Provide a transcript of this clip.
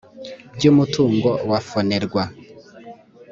by umutungo wa fonerwa